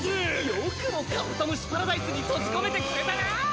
よくもカブトムシパラダイスに閉じ込めてくれたな！